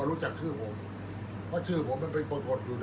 อันไหนที่มันไม่จริงแล้วอาจารย์อยากพูด